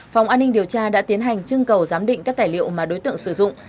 phòng an ninh điều tra đã tiến hành trưng cầu giám định các tài liệu mà đối tượng sử dụng